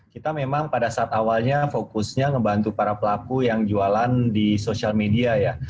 kita memang pada saat awalnya fokusnya ngebantu para pelaku yang jualan di sosial media ya